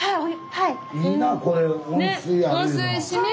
はい。